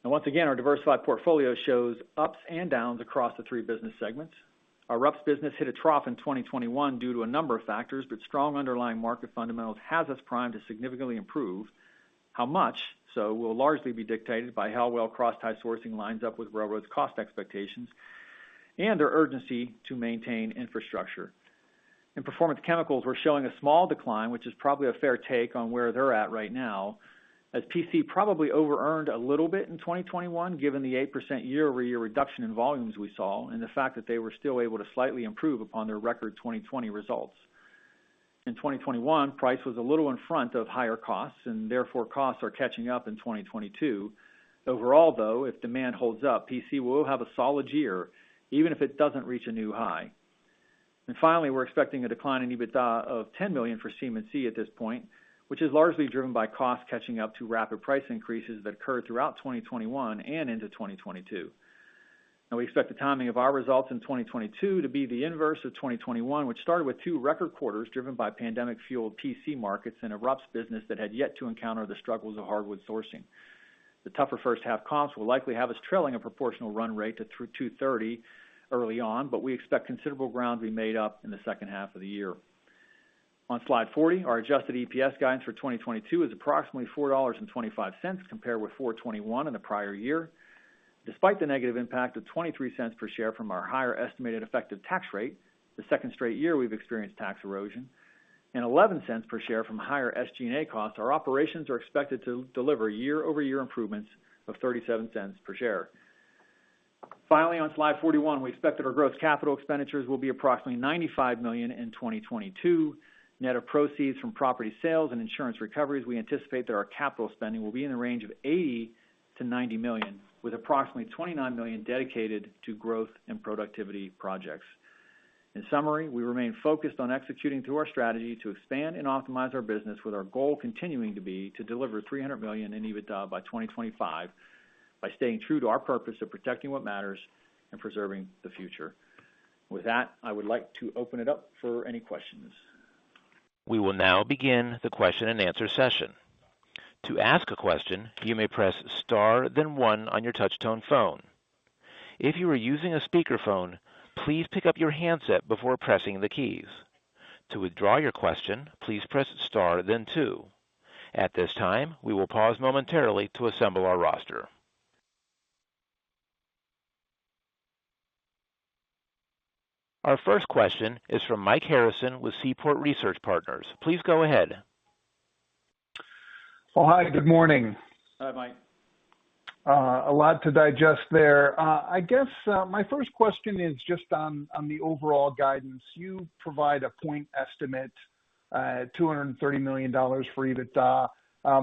[SPEAKER 3] Once again, our diversified portfolio shows ups and downs across the three business segments. Our RUPS business hit a trough in 2021 due to a number of factors, but strong underlying market fundamentals has us primed to significantly improve. How much so will largely be dictated by how well crosstie sourcing lines up with railroads' cost expectations and their urgency to maintain infrastructure. In Performance Chemicals, we're showing a small decline, which is probably a fair take on where they're at right now, as PC probably overearned a little bit in 2021, given the 8% year-over-year reduction in volumes we saw, and the fact that they were still able to slightly improve upon their record 2020 results. In 2021, price was a little in front of higher costs, and therefore costs are catching up in 2022. Overall, though, if demand holds up, PC will have a solid year, even if it doesn't reach a new high. Finally, we're expecting a decline in EBITDA of $10 million for CM&C at this point, which is largely driven by cost catching up to rapid price increases that occurred throughout 2021 and into 2022. Now we expect the timing of our results in 2022 to be the inverse of 2021, which started with two record quarters driven by pandemic-fueled PC markets and a RUPS business that had yet to encounter the struggles of hardwood sourcing. The tougher first half comps will likely have us trailing a proportional run rate to $230 million early on, but we expect considerable ground to be made up in the second half of the year. On slide 40, our adjusted EPS guidance for 2022 is approximately $4.25, compared with $4.21 in the prior year. Despite the negative impact of $0.23 per share from our higher estimated effective tax rate, the second straight year we've experienced tax erosion, and $0.11 per share from higher SG&A costs, our operations are expected to deliver year-over-year improvements of $0.37 per share. Finally, on slide 41, we expect that our gross capital expenditures will be approximately $95 million in 2022. Net of proceeds from property sales and insurance recoveries, we anticipate that our capital spending will be in the range of $80 million-$90 million, with approximately $29 million dedicated to growth and productivity projects. In summary, we remain focused on executing to our strategy to expand and optimize our business with our goal continuing to be to deliver $300 million in EBITDA by 2025 by staying true to our purpose of protecting what matters and preserving the future. With that, I would like to open it up for any questions.
[SPEAKER 1] We will now begin the question-and-answer session. To ask a question, you may press star then one on your touchtone phone. If you are using a speakerphone, please pick up your handset before pressing the keys. To withdraw your question, please press star then two. At this time, we will pause momentarily to assemble our roster. Our first question is from Mike Harrison with Seaport Research Partners. Please go ahead.
[SPEAKER 5] Well, hi, good morning.
[SPEAKER 3] Hi, Mike.
[SPEAKER 5] A lot to digest there. I guess my first question is just on the overall guidance. You provide a point estimate $230 million for EBITDA.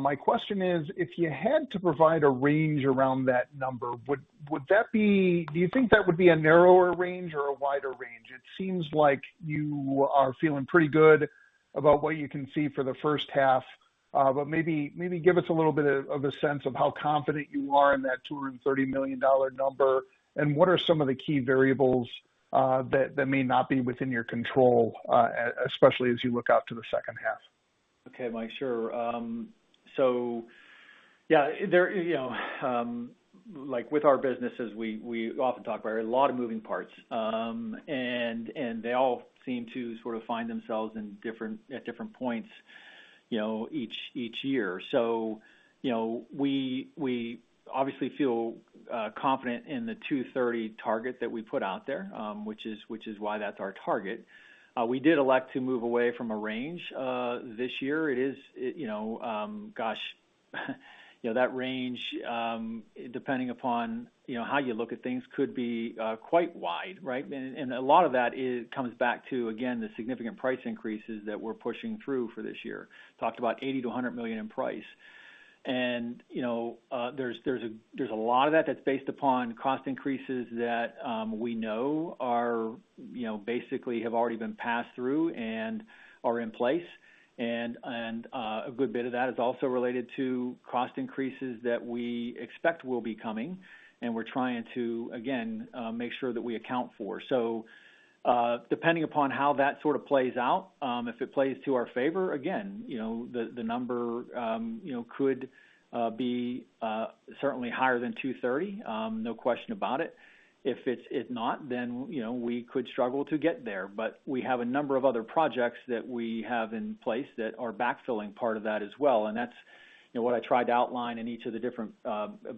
[SPEAKER 5] My question is, if you had to provide a range around that number, do you think that would be a narrower range or a wider range? It seems like you are feeling pretty good about what you can see for the first half. Maybe give us a little bit of a sense of how confident you are in that $230 million number, and what are some of the key variables that may not be within your control, especially as you look out to the second half.
[SPEAKER 3] Okay, Mike, sure. Yeah, there, you know, like with our businesses, we often talk about a lot of moving parts. They all seem to sort of find themselves at different points, you know, each year. You know, we obviously feel confident in the $2.30 target that we put out there, which is why that's our target. We did elect to move away from a range this year. It is, you know, gosh, you know, that range, depending upon, you know, how you look at things could be quite wide, right? A lot of that comes back to, again, the significant price increases that we're pushing through for this year. Talked about $80 million-$100 million in price. You know, there's a lot of that that's based upon cost increases that we know are, you know, basically have already been passed through and are in place. A good bit of that is also related to cost increases that we expect will be coming, and we're trying to, again, make sure that we account for. Depending upon how that sort of plays out, if it plays to our favor, again, you know, the number, you know, could be certainly higher than 230, no question about it. If not, then, you know, we could struggle to get there. We have a number of other projects that we have in place that are backfilling part of that as well, and that's, you know, what I tried to outline in each of the different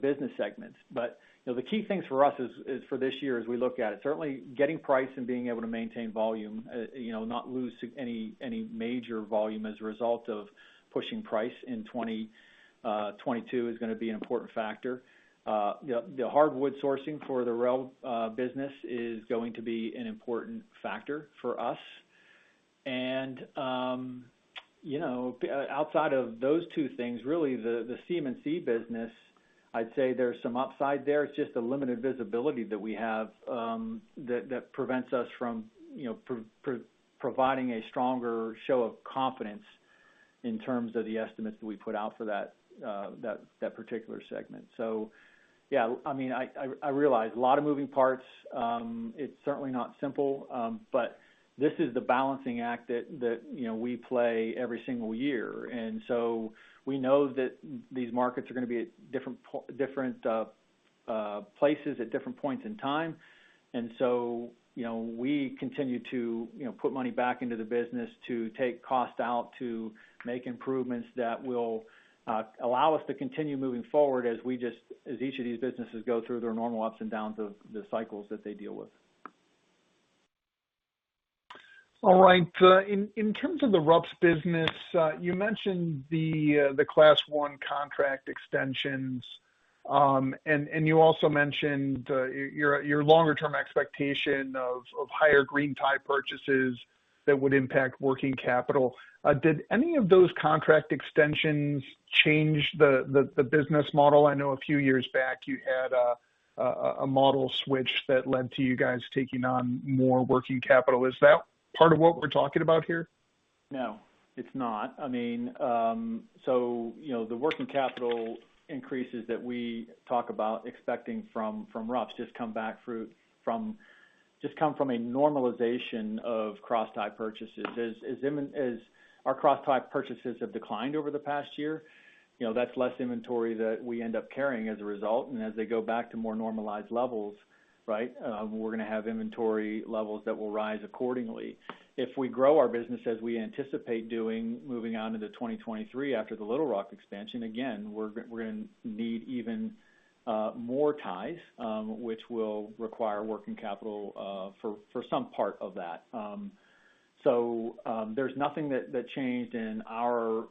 [SPEAKER 3] business segments. You know, the key things for us is for this year as we look at it, certainly getting price and being able to maintain volume, you know, not lose any major volume as a result of pushing price in 2022 is gonna be an important factor. Yeah, the hardwood sourcing for the rail business is going to be an important factor for us. You know, outside of those two things, really the CMC business, I'd say there's some upside there. It's just a limited visibility that we have, that prevents us from, you know, providing a stronger show of confidence in terms of the estimates that we put out for that particular segment. Yeah, I mean, I realize a lot of moving parts. It's certainly not simple, but this is the balancing act that, you know, we play every single year. We know that these markets are gonna be at different places at different points in time. You know, we continue to, you know, put money back into the business to take cost out, to make improvements that will allow us to continue moving forward as each of these businesses go through their normal ups and downs of the cycles that they deal with.
[SPEAKER 5] All right. In terms of the RUPS business, you mentioned the Class I contract extensions. You also mentioned your longer term expectation of higher green tie purchases that would impact working capital. Did any of those contract extensions change the business model? I know a few years back you had a model switch that led to you guys taking on more working capital. Is that part of what we're talking about here?
[SPEAKER 3] No, it's not. I mean, so, you know, the working capital increases that we talk about expecting from RUPS just come from a normalization of cross-tie purchases. As our cross-tie purchases have declined over the past year, you know, that's less inventory that we end up carrying as a result. As they go back to more normalized levels, right? We're gonna have inventory levels that will rise accordingly. If we grow our business as we anticipate doing moving on into 2023 after the Little Rock expansion, again, we're gonna need even more ties, which will require working capital for some part of that. There's nothing that changed in our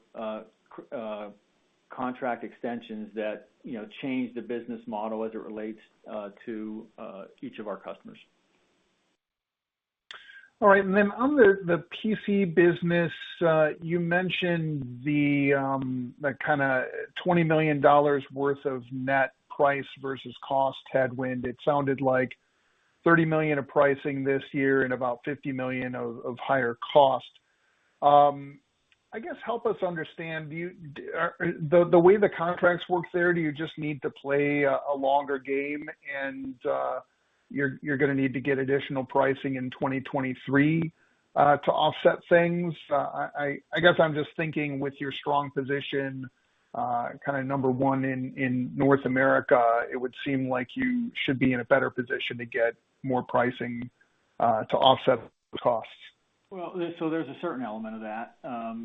[SPEAKER 3] contract extensions that, you know, changed the business model as it relates to each of our customers.
[SPEAKER 5] All right. On the PC business, you mentioned the kinda $20 million worth of net price versus cost headwind. It sounded like $30 million of pricing this year and about $50 million of higher cost. I guess help us understand. Do you... The way the contracts work there, do you just need to play a longer game and you're gonna need to get additional pricing in 2023 to offset things? I guess I'm just thinking with your strong position, kinda number one in North America, it would seem like you should be in a better position to get more pricing to offset the costs.
[SPEAKER 3] Well, there's a certain element of that,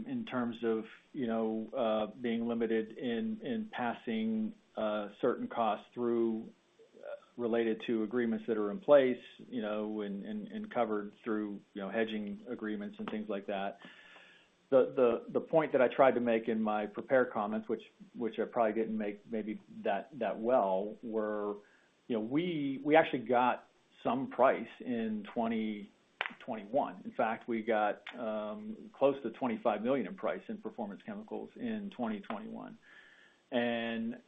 [SPEAKER 3] in terms of, you know, being limited in passing certain costs through related to agreements that are in place, you know, and covered through, you know, hedging agreements and things like that. The point that I tried to make in my prepared comments, which I probably didn't make maybe that well, were, you know, we actually got some price in 2021. In fact, we got close to $25 million in price in Performance Chemicals in 2021.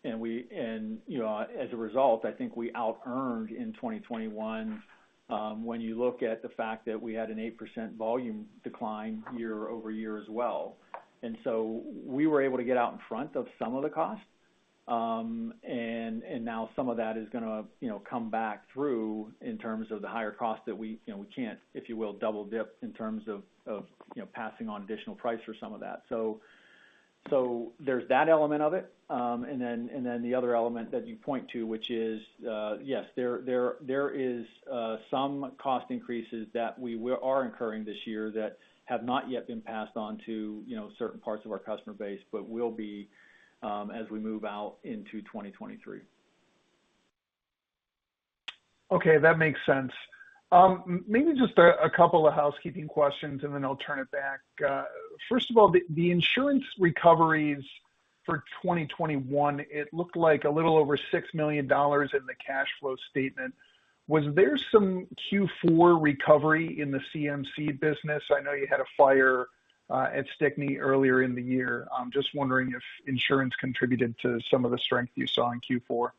[SPEAKER 3] You know, as a result, I think we outearned in 2021, when you look at the fact that we had an 8% volume decline year-over-year as well. We were able to get out in front of some of the costs. Now some of that is gonna, you know, come back through in terms of the higher costs that we, you know, can't, if you will, double-dip in terms of, you know, passing on additional price for some of that. There's that element of it. Then the other element that you point to, which is, yes, there is some cost increases that we are incurring this year that have not yet been passed on to, you know, certain parts of our customer base, but will be as we move out into 2023.
[SPEAKER 5] Okay, that makes sense. Maybe just a couple of housekeeping questions, and then I'll turn it back. First of all, the insurance recoveries for 2021, it looked like a little over $6 million in the cash flow statement. Was there some Q4 recovery in the CMC business? I know you had a fire at Stickney earlier in the year. I'm just wondering if insurance contributed to some of the strength you saw in Q4.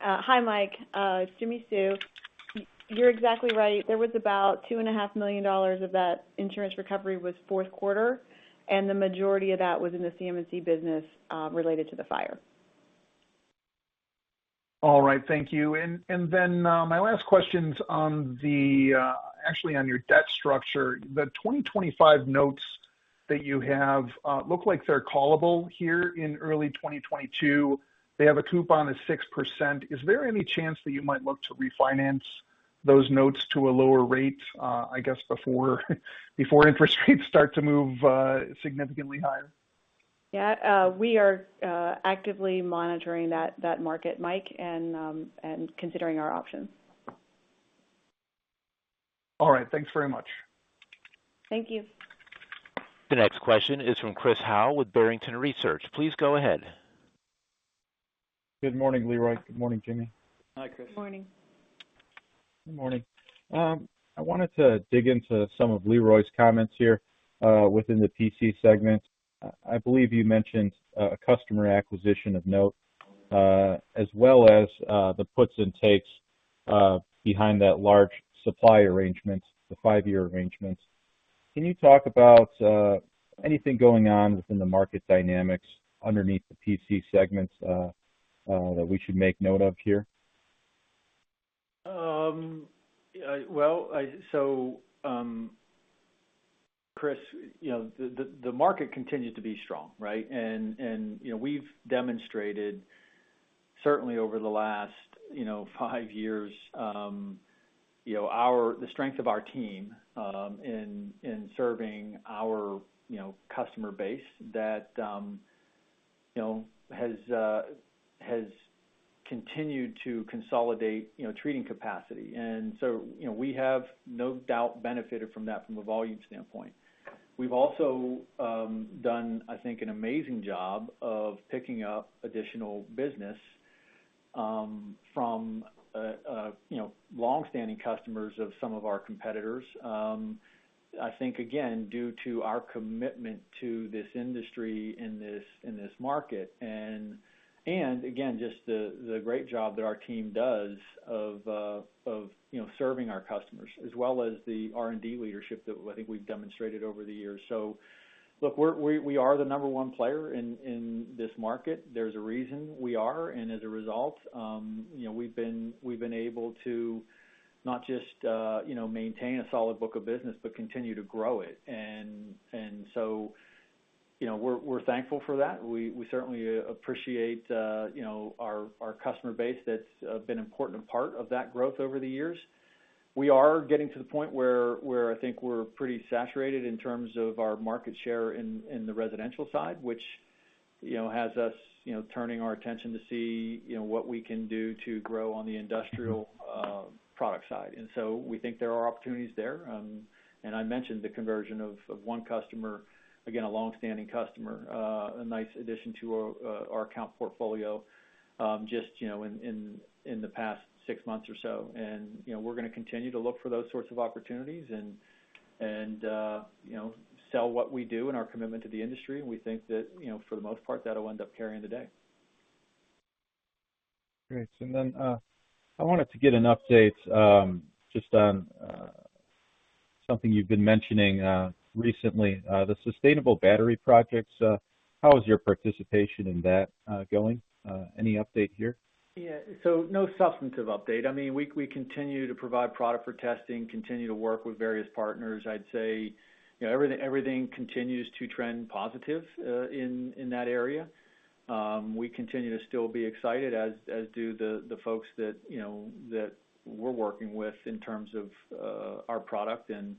[SPEAKER 4] Hi, Mike, it's Jimmi Sue. You're exactly right. There was about $2.5 million of that insurance recovery in the fourth quarter, and the majority of that was in the CMC business, related to the fire.
[SPEAKER 5] All right, thank you. My last question's actually on your debt structure. The 2025 notes that you have look like they're callable here in early 2022. They have a coupon of 6%. Is there any chance that you might look to refinance those notes to a lower rate, I guess, before interest rates start to move significantly higher?
[SPEAKER 4] Yeah, we are actively monitoring that market, Mike, and considering our options.
[SPEAKER 5] All right, thanks very much.
[SPEAKER 4] Thank you.
[SPEAKER 1] The next question is from Chris Howe with Barrington Research. Please go ahead.
[SPEAKER 6] Good morning, Leroy. Good morning, Jamie.
[SPEAKER 3] Hi, Chris.
[SPEAKER 4] Morning.
[SPEAKER 6] Good morning. I wanted to dig into some of Leroy's comments here, within the PC segment. I believe you mentioned customer acquisition of note as well as the puts and takes behind that large supply arrangements, the five-year arrangements. Can you talk about anything going on within the market dynamics underneath the PC segments that we should make note of here?
[SPEAKER 3] Yeah, well, Chris, you know, the market continued to be strong, right? You know, we've demonstrated certainly over the last five years, you know, the strength of our team in serving our, you know, customer base that, you know, has continued to consolidate, you know, treating capacity. You know, we have no doubt benefited from that from a volume standpoint. We've also done, I think, an amazing job of picking up additional business from you know, long-standing customers of some of our competitors. I think, again, due to our commitment to this industry and this market, and again, just the great job that our team does of you know, serving our customers, as well as the R&D leadership that I think we've demonstrated over the years. Look, we are the number one player in this market. There's a reason we are. As a result, you know, we've been able to not just you know, maintain a solid book of business, but continue to grow it. You know, we're thankful for that. We certainly appreciate you know, our customer base that's been an important part of that growth over the years. We are getting to the point where I think we're pretty saturated in terms of our market share in the residential side, which you know, has us you know, turning our attention to see you know, what we can do to grow on the industrial product side. We think there are opportunities there. I mentioned the conversion of one customer, again, a longstanding customer, a nice addition to our our account portfolio just you know, in the past six months or so. You know, we're gonna continue to look for those sorts of opportunities and you know, sell what we do and our commitment to the industry. We think that, you know, for the most part, that'll end up carrying the day.
[SPEAKER 6] Great. I wanted to get an update just on something you've been mentioning recently, the sustainable battery projects. How is your participation in that going? Any update here?
[SPEAKER 3] Yeah. No substantive update. I mean, we continue to provide product for testing, continue to work with various partners. I'd say, you know, everything continues to trend positive in that area. We continue to still be excited, as do the folks that you know that we're working with in terms of our product and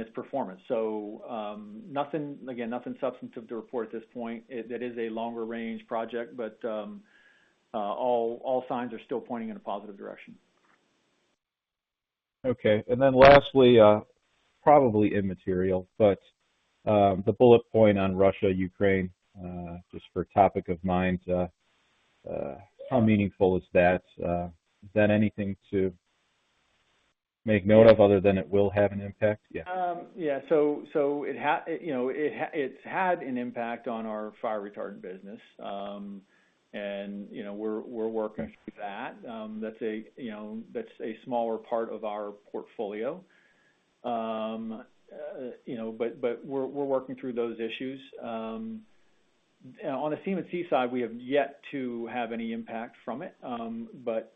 [SPEAKER 3] its performance. Again, nothing substantive to report at this point. It is a longer range project, but all signs are still pointing in a positive direction.
[SPEAKER 6] Okay. Lastly, probably immaterial, but, the bullet point on Russia-Ukraine, just for top of mind, how meaningful is that? Is that anything to make note of other than it will have an impact? Yeah.
[SPEAKER 3] It's had an impact on our fire retardant business. You know, we're working through that. You know, that's a smaller part of our portfolio. You know, we're working through those issues. On the CM&C side, we have yet to have any impact from it, but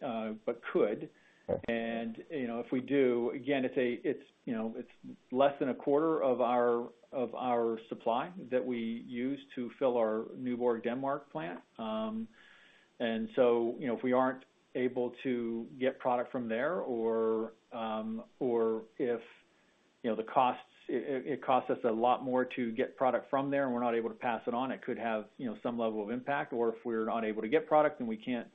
[SPEAKER 3] could.
[SPEAKER 6] Okay.
[SPEAKER 3] You know, if we do, again, it's, you know, it's less than a quarter of our supply that we use to fill our Nyborg, Denmark plant. You know, if we aren't able to get product from there or if the costs it costs us a lot more to get product from there and we're not able to pass it on, it could have some level of impact. If we're not able to get product and we can't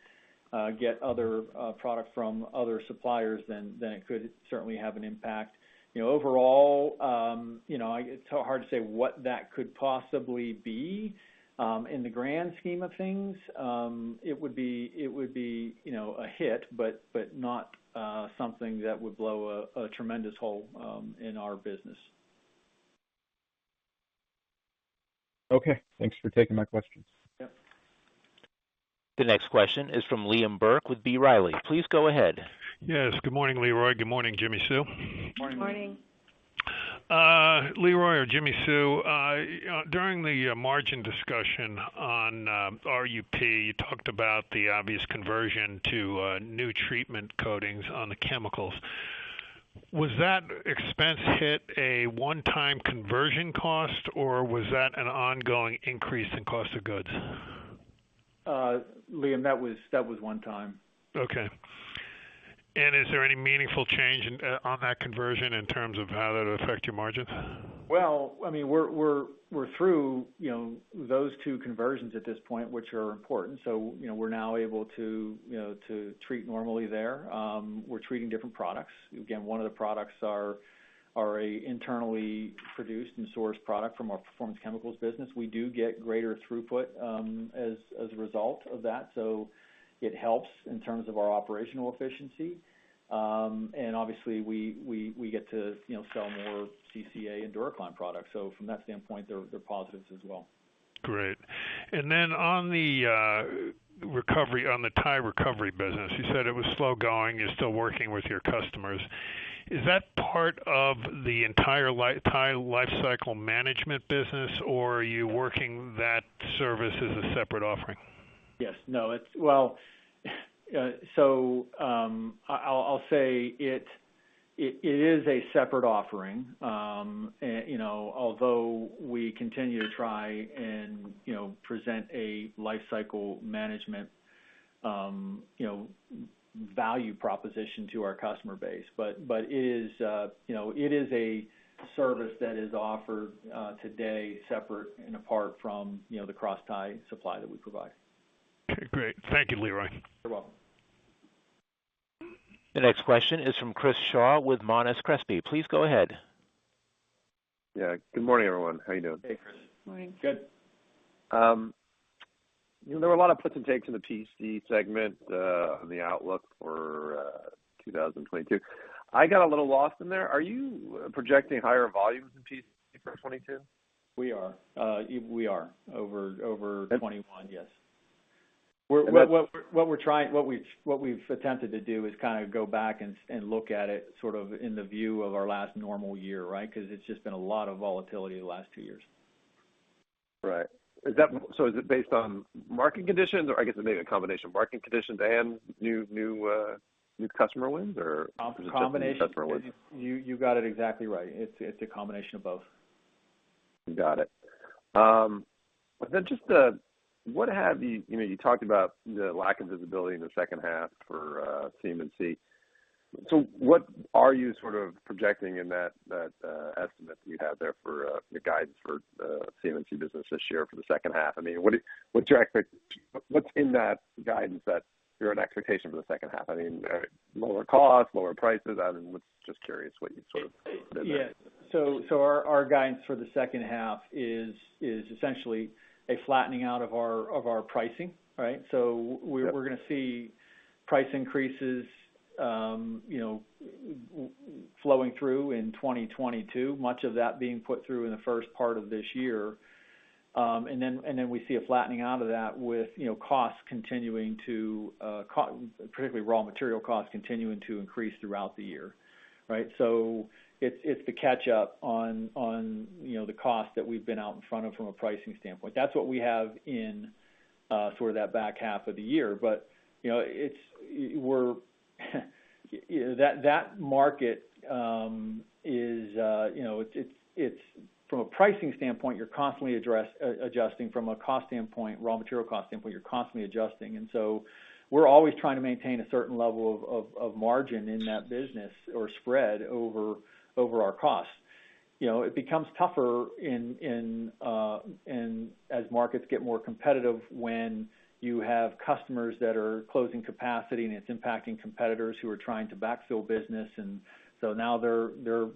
[SPEAKER 3] get other product from other suppliers, then it could certainly have an impact. You know, overall, you know, it's hard to say what that could possibly be. In the grand scheme of things, it would be, you know, a hit, but not something that would blow a tremendous hole in our business.
[SPEAKER 6] Okay. Thanks for taking my questions.
[SPEAKER 3] Yep.
[SPEAKER 1] The next question is from Liam Burke with B. Riley. Please go ahead.
[SPEAKER 7] Yes. Good morning, Leroy. Good morning, Jimmi Sue.
[SPEAKER 3] Morning.
[SPEAKER 4] Morning.
[SPEAKER 7] Leroy or Jimmi Sue, during the margin discussion on RUPS, you talked about the obvious conversion to new treatment coatings on the chemicals. Was that expense hit a one-time conversion cost, or was that an ongoing increase in cost of goods?
[SPEAKER 3] Liam, that was one time.
[SPEAKER 7] Okay. Is there any meaningful change in, on that conversion in terms of how that'll affect your margin?
[SPEAKER 3] Well, I mean, we're through, you know, those two conversions at this point, which are important. You know, we're now able to, you know, to treat normally there. We're treating different products. Again, one of the products are a internally produced and sourced product from our Performance Chemicals business. We do get greater throughput, as a result of that. It helps in terms of our operational efficiency. Obviously, we get to, you know, sell more CCA and DuraClimb products. From that standpoint, they're positives as well.
[SPEAKER 7] Great. On the tie recovery business, you said it was slow going. You're still working with your customers. Is that part of the entire tie lifecycle management business, or are you working that service as a separate offering?
[SPEAKER 3] Yes. No. Well, I'll say it is a separate offering. You know, although we continue to try and present a lifecycle management value proposition to our customer base, but it is, you know, it is a service that is offered today separate and apart from, you know, the cross tie supply that we provide.
[SPEAKER 7] Okay, great. Thank you, Leroy.
[SPEAKER 3] You're welcome.
[SPEAKER 1] The next question is from Chris Shaw with Monness Crespi. Please go ahead.
[SPEAKER 8] Yeah. Good morning, everyone. How you doing?
[SPEAKER 3] Hey, Chris.
[SPEAKER 4] Morning.
[SPEAKER 3] Good.
[SPEAKER 8] There were a lot of puts and takes in the PC segment on the outlook for 2022. I got a little lost in there. Are you projecting higher volumes in PC for 2022?
[SPEAKER 3] We are over 2021, yes. What we've attempted to do is kind of go back and look at it sort of in the view of our last normal year, right? 'Cause it's just been a lot of volatility the last two years.
[SPEAKER 8] Right. Is it based on market conditions, or I guess maybe a combination of market conditions and new customer wins, or-
[SPEAKER 3] A combination.
[SPEAKER 8] Customer wins.
[SPEAKER 3] You got it exactly right. It's a combination of both.
[SPEAKER 8] Got it. You know, you talked about the lack of visibility in the second half for CM&C. What are you sort of projecting in that estimate that you have there for your guidance for the CMC business this year for the second half? I mean, what's in that guidance, that your own expectation for the second half? I mean, lower costs, lower prices? I mean, I was just curious what you sort of did there.
[SPEAKER 3] Yeah. Our guidance for the second half is essentially a flattening out of our pricing, right? We-
[SPEAKER 8] Yep.
[SPEAKER 3] We're gonna see price increases flowing through in 2022, much of that being put through in the first part of this year. We see a flattening out of that with costs continuing to particularly raw material costs continuing to increase throughout the year, right? It's the catch up on the cost that we've been out in front of from a pricing standpoint. That's what we have in sort of that back half of the year. You know, that market is, you know, it's from a pricing standpoint, you're constantly adjusting from a cost standpoint, raw material cost standpoint, you're constantly adjusting. We're always trying to maintain a certain level of margin in that business or spread over our costs. You know, it becomes tougher as markets get more competitive when you have customers that are closing capacity, and it's impacting competitors who are trying to backfill business. Now they're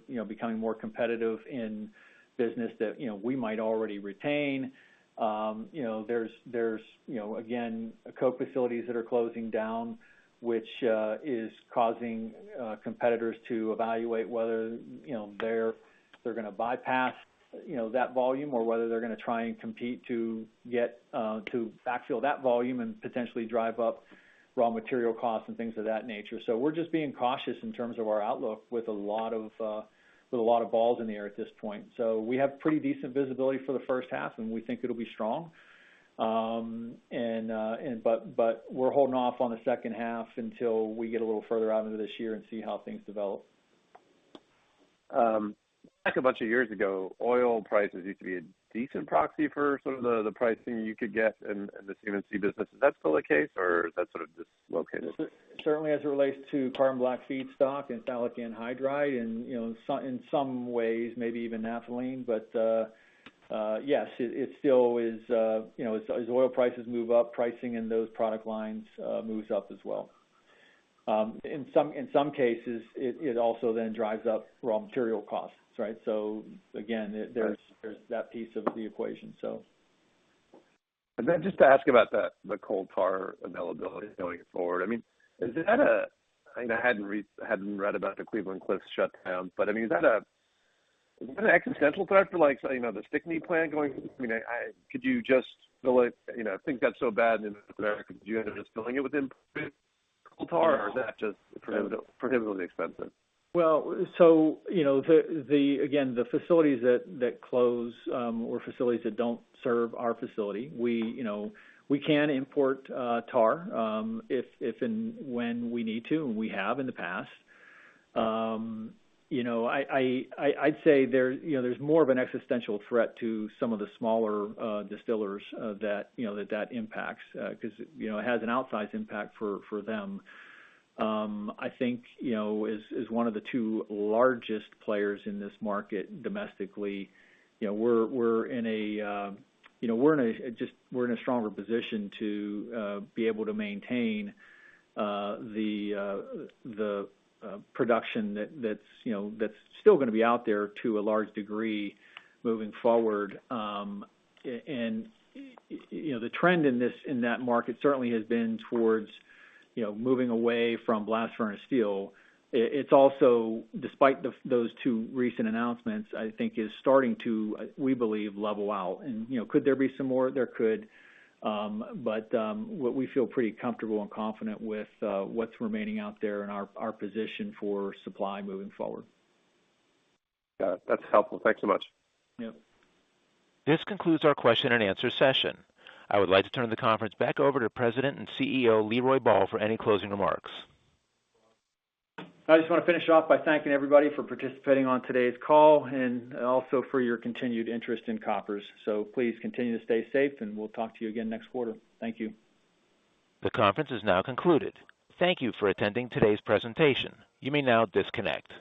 [SPEAKER 3] you know, becoming more competitive in business that, you know, we might already retain. You know, there's you know, again, coke facilities that are closing down, which is causing competitors to evaluate whether, you know, they're gonna bypass, you know, that volume or whether they're gonna try and compete to get to backfill that volume and potentially drive up raw material costs and things of that nature. We're just being cautious in terms of our outlook with a lot of balls in the air at this point. We have pretty decent visibility for the first half, and we think it'll be strong. We're holding off on the second half until we get a little further out into this year and see how things develop.
[SPEAKER 8] Like a bunch of years ago, oil prices used to be a decent proxy for sort of the pricing you could get in the CMC business. Is that still the case or is that sort of dislocated?
[SPEAKER 3] Certainly as it relates to carbon black feedstock and phthalic anhydride and, you know, in some ways maybe even naphthalene. Yes, it still is, you know, as oil prices move up, pricing in those product lines moves up as well. In some cases, it also then drives up raw material costs, right? Again, there's-
[SPEAKER 8] Right.
[SPEAKER 3] There's that piece of the equation, so.
[SPEAKER 8] Just to ask about the coal tar availability going forward. I mean, is that a. You know, I hadn't read about the Cleveland-Cliffs shutdown, but I mean, is that an existential threat for like, you know, the Stickney plant going? I mean, could you just fill it? You know, things got so bad in America, do you end up just filling it with imported coal tar?
[SPEAKER 3] No.
[SPEAKER 8] Is that just prohibitively expensive?
[SPEAKER 3] You know, again, the facilities that close or facilities that don't serve our facility, we can import tar if and when we need to, and we have in the past. You know, I'd say there's more of an existential threat to some of the smaller distillers that impacts 'cause it has an outsized impact for them. I think, you know, as one of the two largest players in this market domestically, you know, we're in a stronger position to be able to maintain the production that's still gonna be out there to a large degree moving forward. You know, the trend in this, in that market certainly has been towards, you know, moving away from blast furnace steel. It's also despite those two recent announcements, I think is starting to, we believe, level out. You know, could there be some more? There could. What we feel pretty comfortable and confident with, what's remaining out there and our position for supply moving forward.
[SPEAKER 8] Got it. That's helpful. Thanks so much.
[SPEAKER 3] Yep.
[SPEAKER 1] This concludes our question and answer session. I would like to turn the conference back over to President and CEO, Leroy Ball, for any closing remarks.
[SPEAKER 3] I just wanna finish off by thanking everybody for participating on today's call and also for your continued interest in Koppers. Please continue to stay safe, and we'll talk to you again next quarter. Thank you.
[SPEAKER 1] The conference is now concluded. Thank you for attending today's presentation. You may now disconnect.